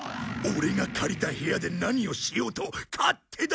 オレが借りた部屋で何をしようと勝手だろ！